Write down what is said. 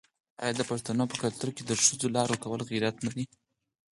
آیا د پښتنو په کلتور کې د ښځو لار ورکول غیرت نه دی؟